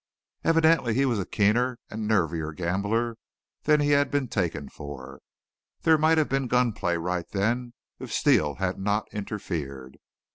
Evidently he was a keener and nervier gambler than he had been taken for. There might have been gun play right then if Steele had not interfered.